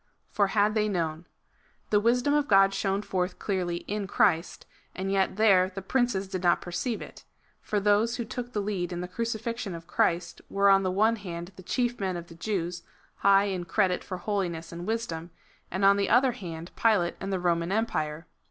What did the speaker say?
For had they known. The wisdom of God shone forth clearly in Christ, and yet there the princes did not perceive it ; for those who took the lead in the crucifixion of Christ were on the one hand the chief men of the Jews, high in credit for holiness and wisdom ; and on the other hand Pilate and the Roman empire.